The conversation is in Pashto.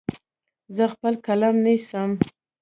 زه خپل قلم نیسم.